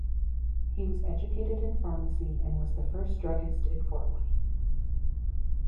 He was educated in pharmacy and was the first druggist in Fort Wayne.